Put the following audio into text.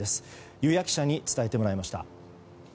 湯屋記者に伝えてもらいました。